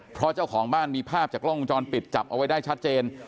เพราะเจ้าของบ้านมีภาพจากกล้องวงจรปิดจับเอาไว้ได้ชัดเจน